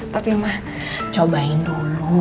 tapi mama cobain dulu